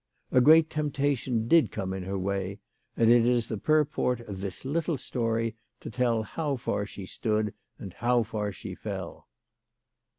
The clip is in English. A great temptation did come in her way, and it is the purport of this little story to tell how far she stood and how far she fell.